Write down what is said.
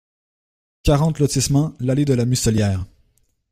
quarante lotissement l'Allée de la Mucelière